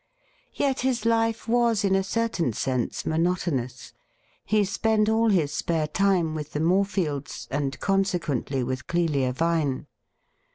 Yet his life was in a certain sense monotonous. He spent aU his spare time with the Morefields, and consequently with Clelia Vine.